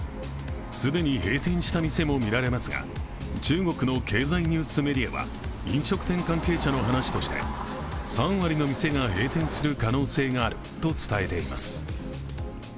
既に閉店した店も見られますが中国の経済ニュースメディアは飲食店関係者の話として３割の店が閉店する可能性があると伝えています。